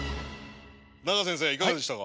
中先生いかがでしたか？